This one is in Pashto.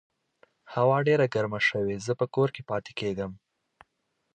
هوا ډېره ګرمه شوې، زه په کور کې پاتې کیږم